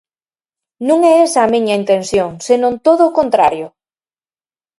Non é esa a miña intención, senón todo o contrario.